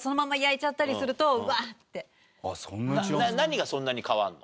何がそんなに変わるの？